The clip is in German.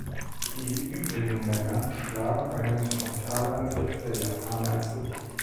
Die übrigen Männer schlagen einen Frontalangriff der Japaner zurück.